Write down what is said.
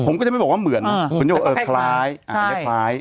ผมก็จะไม่บอกว่าเหมือนผมจะบอกเออคล้ายอันนี้คล้าย